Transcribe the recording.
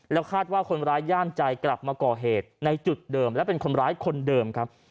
แล้วคาดว่าคนร้ายย่ามใจกลับมาก่อเหตุในจุดเดิมและเป็นคนร้ายคนเดิมครับ